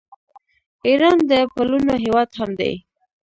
ایران د پلونو هیواد هم دی.